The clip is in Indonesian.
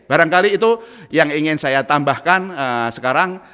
barangkali itu yang ingin saya tambahkan sekarang